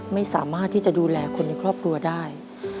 ไม่สามารถที่จะดูแลคนในครอบครัวได้